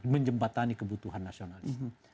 menjembatani kebutuhan nasionalis